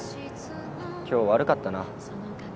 今日悪かったな。